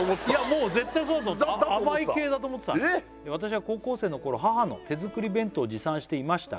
もう絶対そうだと思ってた甘い系だと思ってた「私は高校生の頃母の手作り弁当を持参していましたが」